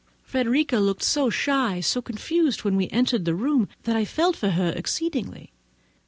Frederica looked so shy, so confused, when we entered the room, that I felt for her exceedingly.